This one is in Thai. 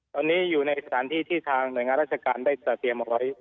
ตอนนี้อยู่ในสถานที่ที่ทางหน่วยงานราชการได้จัดเตรียมเอาไว้